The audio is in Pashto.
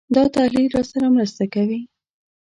دا تحلیل راسره مرسته کوي.